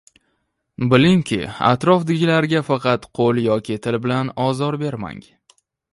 Bilingki, atrofdagilarga faqat qoʻl yoki til bilan ozor bermang.